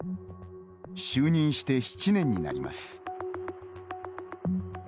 就任して７年になります。